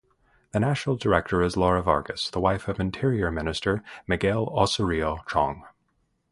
The National Director is Laura Vargas, the wife of Interior Minister Miguel Osorio Chong.